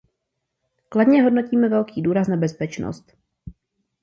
Kladně hodnotíme velký důraz na bezpečnost.